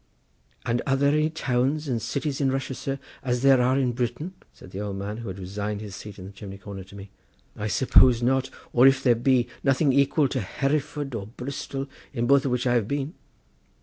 "And are there any towns and cities in Russia, sir, as there are in Britain?" said the old man, who had resigned his seat in the chimney corner to me; "I suppose not, or, if there be, nothing equal to Hereford or Bristol, in both of which I have been."